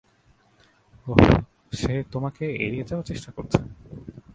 ওহ, সে তোমাকে এড়িয়ে যাওয়ার চেষ্টা করছে।